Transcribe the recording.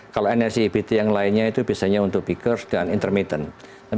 kalau energi ebt yang lainnya itu biasanya untuk beakers dan intermittent